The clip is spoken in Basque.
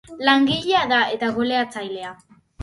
Langilea da, eta goleatzailea.